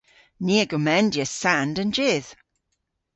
Ni a gomendyas sand an jydh.